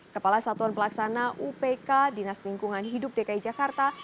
kepala satuan pelaksana upk dinas lingkungan hidup dki jakarta